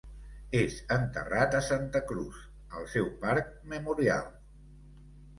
És enterrat a Santa Cruz, al seu parc memorial.